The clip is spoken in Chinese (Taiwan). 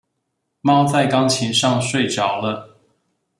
貓在鋼琴上睡著了